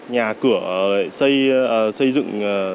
nhà cửa xây dựng